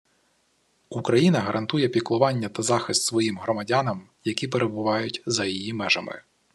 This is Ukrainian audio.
Україна гарантує піклування та захист своїм громадянам, які перебувають за її межами